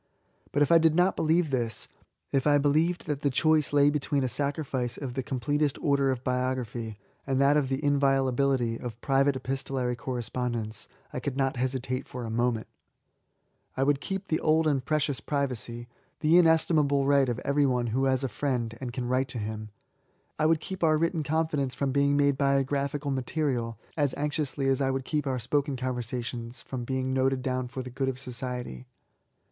But if I did not believe this, — ^if I believed tbat the choice lay between a sacrifice of the completest order of biography and that of the inviolability of private epistolary correspond ence, I could not hesitate for a moment I would k^cip the old and precious privacy, — ^the inestim^ 94 B88AY8. able right of every one who has a friend and can write to him ;— I would keep our written confi dence from being made biographical material^ as anxiously as I would keep our spoken conversa tion from being noted down for the good of society.